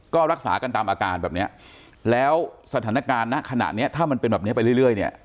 ก็รักษากันตามอาการแบบเนี้ยแล้วสถานการณ์ณขณะนี้ถ้ามันเป็นแบบนี้ไปเรื่อยเนี่ย